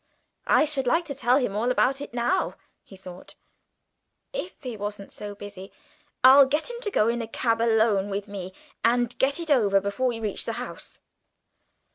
"I should like to tell him all about it now," he thought, "if he wasn't so busy. I'll get him to go in a cab alone with me, and get it over before we reach the house."